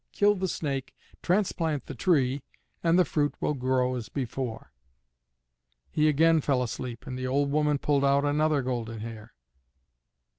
Kill the snake, transplant the tree, and the fruit will grow as before." He again fell asleep, and the old woman pulled out another golden hair.